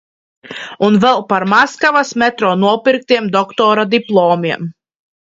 Un vēl par Maskavas metro nopirktiem doktora diplomiem.